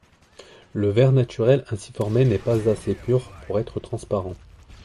Le verre naturel ainsi formé n'est pas assez pur pour être transparent.